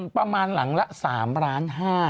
ประมาณหลังละ๓๕๐๐บาท